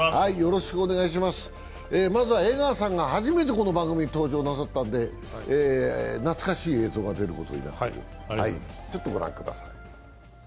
まずは江川さんが初めてこの番組に登場なさったんで懐かしい映像が出ることになっておりますのでご覧ください。